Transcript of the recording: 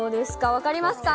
分かりますか？